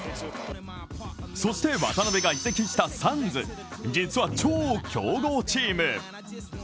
そして渡邊が移籍したサンズ、実は超強豪チーム。